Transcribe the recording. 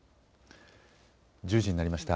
１０時になりました。